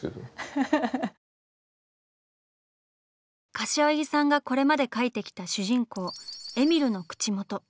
柏木さんがこれまで描いてきた主人公えみるの口元。